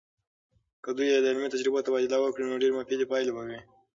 که دوی د علمي تجربو تبادله وکړي، نو ډیرې مفیدې پایلې به وي.